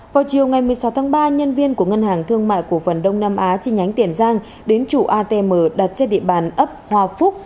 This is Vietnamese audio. vào chiều ngày một mươi sáu tháng ba nhân viên của ngân hàng thương mại cổ phần đông nam á trên nhánh tiền giang đến chủ atm đặt trên địa bàn ấp hoa phúc